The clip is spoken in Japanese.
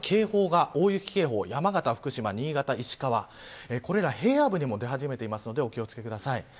今大雪警報が山形、福島、新潟、石川これら平野部にも出始めているので、お気を付けください。